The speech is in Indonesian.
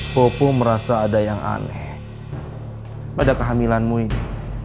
popu merasa ada yang aneh pada kehamilanmu ini